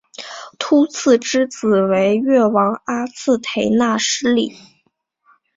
秃剌之子为越王阿剌忒纳失里。